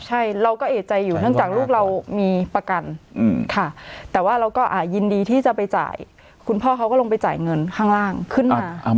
ใช่เราก็เอกใจอยู่เนื่องจากลูกเรามีประกันค่ะแต่ว่าเราก็ยินดีที่จะไปจ่ายคุณพ่อเขาก็ลงไปจ่ายเงินข้างล่างขึ้นมา